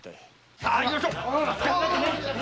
さあ行きましょう。